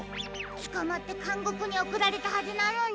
つかまってかんごくにおくられたはずなのに。